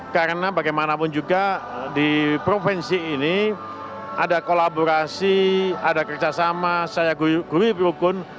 karena bagaimanapun juga di provinsi ini ada kolaborasi ada kerjasama saya gurih berhukum